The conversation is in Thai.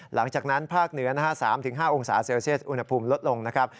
หลังจากนั้นภาคเหนือ๓๕องศาเซลเซียสอุณหภูมิลดลงนะครับ